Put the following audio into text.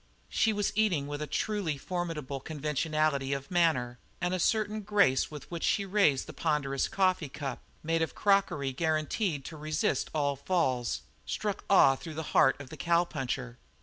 She was eating with a truly formidable conventionality of manner, and a certain grace with which she raised the ponderous coffee cup, made of crockery guaranteed to resist all falls, struck awe through the heart of the cowpuncher.